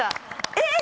えっ！